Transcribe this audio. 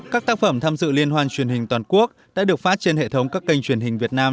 các tác phẩm tham dự liên hoan truyền hình toàn quốc đã được phát trên hệ thống các kênh truyền hình việt nam